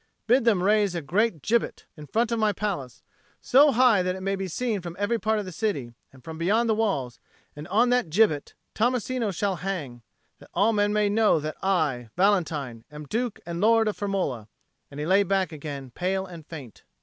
Bid them raise a great gibbet in front of my palace, so high that it shall be seen from every part of the city and from beyond the walls; and on that gibbet Tommasino shall hang, that all men may know that I, Valentine, am Duke and Lord of Firmola." And he lay back again, pale and faint.